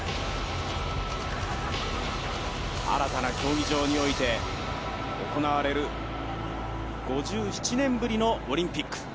新たな競技場において行われる５７年ぶりのオリンピック。